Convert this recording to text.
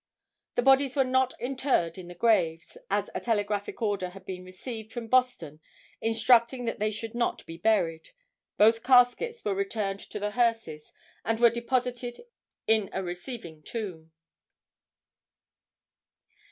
The bodies were not interred in the graves, as a telegraphic order had been received from Boston instructing that they should not be buried. Both caskets were returned to the hearses and were deposited in a receiving tomb.